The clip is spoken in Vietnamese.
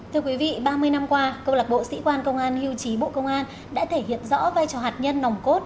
thưa quý vị ba mươi năm qua công lạc bộ sĩ quan công an hưu trí bộ công an đã thể hiện rõ vai trò hạt nhân nồng cốt